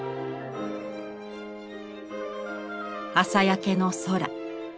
朝焼けの空。